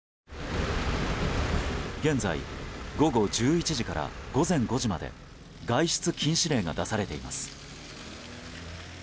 現在、午後１１時から午前５時まで外出禁止令が出されています。